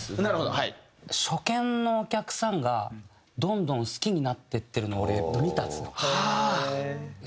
初見のお客さんがどんどん好きになっていってるのを俺見たんですよ。